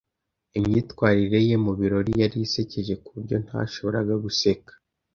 Imyitwarire ye mubirori yari isekeje kuburyo ntashoboraga guseka.